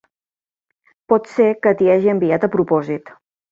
Pot ser que t'hi hagi enviat a propòsit.